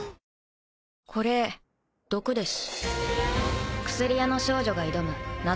これ毒です。